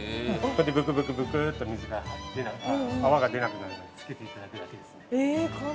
ぶくぶくぶくって水が入って泡が出なくなるまでつけていただくだけですね。